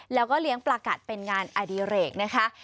แล้วก็เลี้ยงปลากัดเป็นงานอดิเรกนะคะ